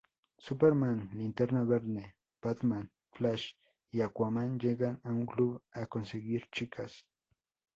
Superman, Linterna Verde, Batman, Flash, y Aquaman llegan a un club a conseguir chicas.